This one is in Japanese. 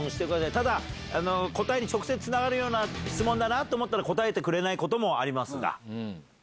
ただ答えに直接つながるような質問だなと思ったら答えてくれないこともあります。